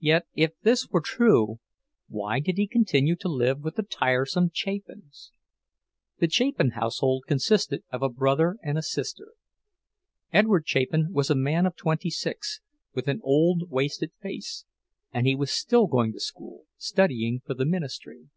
Yet, if this were true, why did he continue to live with the tiresome Chapins? The Chapin household consisted of a brother and sister. Edward Chapin was a man of twenty six, with an old, wasted face, and he was still going to school, studying for the ministry.